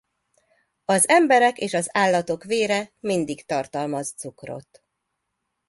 Az emberek és az állatok vére mindig tartalmaz cukrot.